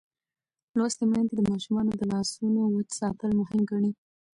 لوستې میندې د ماشومانو د لاسونو وچ ساتل مهم ګڼي.